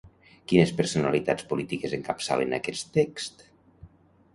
Quines personalitats polítiques encapçalen aquest text?